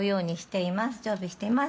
常備しています。